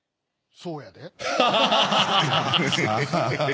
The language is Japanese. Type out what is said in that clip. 「そうやで」？